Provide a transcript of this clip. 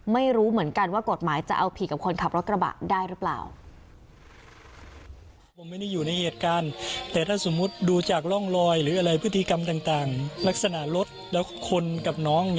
ไม่รู้เหมือนกันว่ากฎหมายจะเอาผิดกับคนขับรถกระบะได้หรือเปล่า